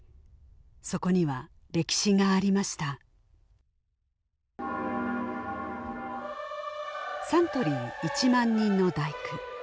そこには歴史がありました「サントリー１万人の第九」